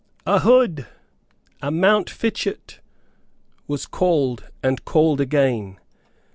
"A Hood! A Montfichet!" was called and called again.